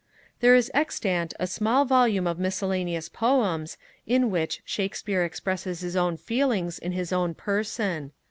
There is extant a small Volume of miscellaneous poems, in which Shakespeare expresses his own feelings in his own person.